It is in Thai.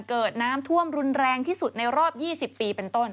เกิดน้ำท่วมรุนแรงที่สุดในรอบ๒๐ปีเป็นต้น